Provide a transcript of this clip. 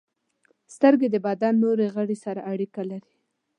• سترګې د بدن نور غړي سره اړیکه لري.